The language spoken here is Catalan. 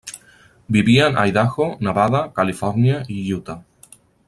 Vivien a Idaho, Nevada, Califòrnia, i Utah.